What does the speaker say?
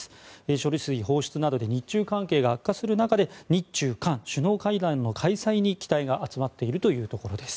処理水放出などで日中関係が悪化する中で日中韓首脳会談の開催に期待が集まっているというところです。